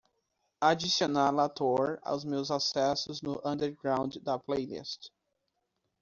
Adicionar LaTour aos meus acessos no underground da playlist.